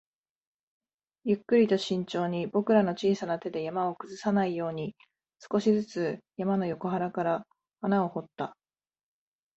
ゆっくりと慎重に、僕らの小さな手で山を崩さないように、少しずつ山の横腹から穴を掘った